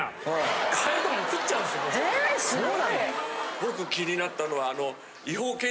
僕気になったのは。